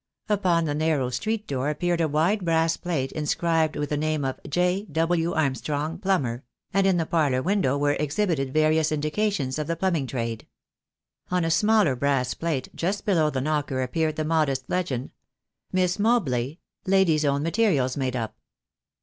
Upon the narrow street door appeared a wide brass plate in scribed with the name of "J. W. Armstrong, plumber," and in the parlour window were exhibited various indica tions of the plumbing trade. On a smaller brass plate just below the knocker appeared the modest legend, "Miss Mobley, ladies' own materials made up."